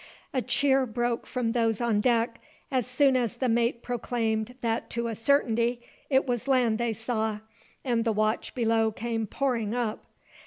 A cheer broke from those on deck, as soon as the mate proclaimed that to a certainty it was land they saw, and the watch below came pouring up.